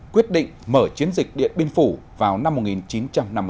quyết định mở chiến dịch điện biên phủ vào năm một nghìn chín trăm năm mươi bốn